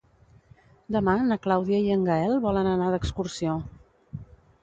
Demà na Clàudia i en Gaël volen anar d'excursió.